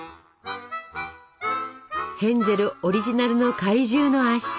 ヘンゼルオリジナルの怪獣の足。